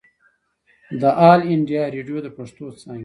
د آل انډيا ريډيو د پښتو څانګې